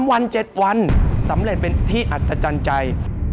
วัน๗วันสำเร็จเป็นที่อัศจรรย์ใจ